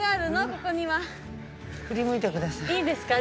ここには振り向いてくださいいいですか？